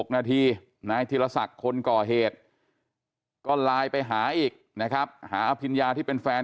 ๖นาทีนายธีรศักดิ์คนก่อเหตุก็ไลน์ไปหาอีกนะครับหาอภิญญาที่เป็นแฟน